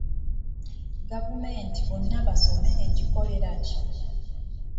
Gavumenti `Bonna Basome' egikolera ki?